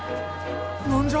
何じゃ？